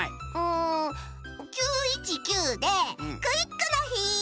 ん９１９でクイックのひ！